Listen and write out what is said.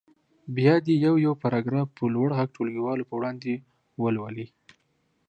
بیا دې یو یو پاراګراف په لوړ غږ ټولګیوالو په وړاندې ولولي.